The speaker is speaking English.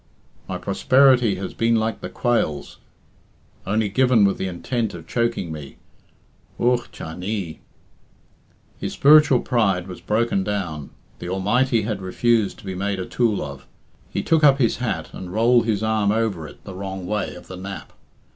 _ My prosperity has been like the quails, only given with the intent of choking me. Ugh cha nee!" His spiritual pride was broken down. The Almighty had refused to be made a tool of. He took up his hat and rolled his arm over it the wrong way of the nap.